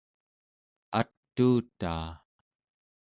atuutaa